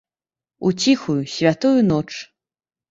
У ціхую, святую ноч!